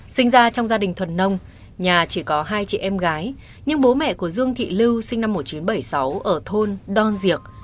sinh ra trong gia đình thuần nông nhà chỉ có hai chị em gái nhưng bố mẹ của dương thị lưu sinh năm một nghìn chín trăm bảy mươi sáu ở thôn đon diệc